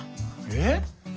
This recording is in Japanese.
えっ？